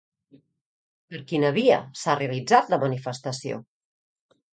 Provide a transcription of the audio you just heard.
Per quina via s'ha realitzat la manifestació?